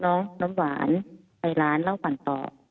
น้องน้ำหวานไปร้านเล่าขวัญต่อ